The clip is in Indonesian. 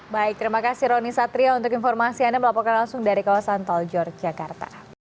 baik terima kasih roni satria untuk informasi anda melaporkan langsung dari kawasan toljor jakarta